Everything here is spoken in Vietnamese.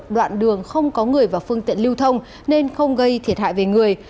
đoạn đường không có người và phương tiện lưu thông nên không gây thiệt hại về người